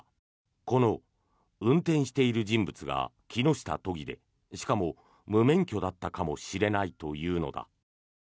この運転している人物が木下都議でしかも、無免許だったかもしれないというのだ。